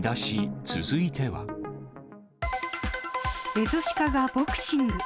エゾシカがボクシング。